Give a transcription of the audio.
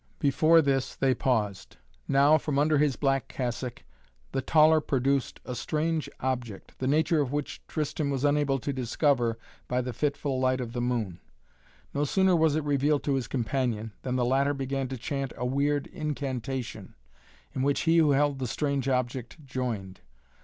Before this they paused. Now, from under his black cassock, the taller produced a strange object, the nature of which Tristan was unable to discover by the fitful light of the moon. No sooner was it revealed to his companion, than the latter began to chant a weird incantation, in which he who held the strange object joined.